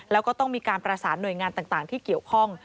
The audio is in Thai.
แล้วก็ต้องมีการประสานหน่วยงานต่างที่เกี่ยวข้อง